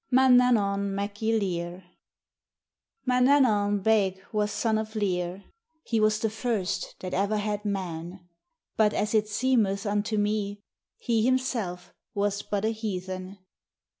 MANANNAN MAC Y LEIRR Manannan Beg was son of Leirr, He was the first that e'er had Mann; But as it seemeth unto me, He himself was but a heathen.